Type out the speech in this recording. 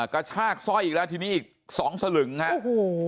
กระชากสร้อยอีกแล้วทีนี้อีก๒สลึงนะฮะ